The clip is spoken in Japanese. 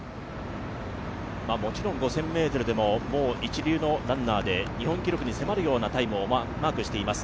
もちろん５０００ｍ一流のランナーで日本記録に迫るようなタイムをマークしています。